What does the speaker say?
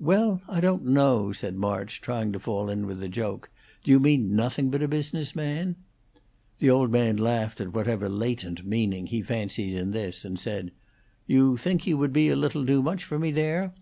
"Well, I don't know," said March, trying to fall in with the joke. "Do you mean nothing but a business man?" The old man laughed at whatever latent meaning he fancied in this, and said: "You think he would be a little too much for me there?